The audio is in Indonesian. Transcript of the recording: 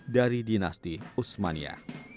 dari dinasti usmania